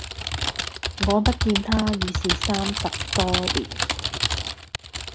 我不見他，已是三十多年；